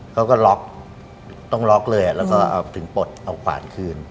เขาก็ล็อกต้องล็อกเลยแล้วก็ถึงปลดเอาขวานคืน